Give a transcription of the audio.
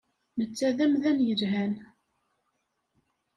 Netta d amdan yelhan.